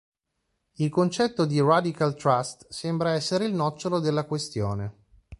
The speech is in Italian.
Il concetto di Radical Trust sembra essere il nocciolo della questione.